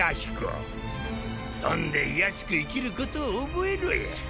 そんで卑しく生きることを覚えろや。